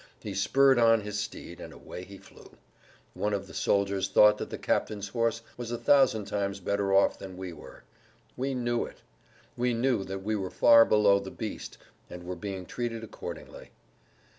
He spurred on his steed, and away he flew. One of the soldiers thought that the captain's horse was a thousand times better off than we were. We knew it. We knew that we were far below the beast and were being treated accordingly.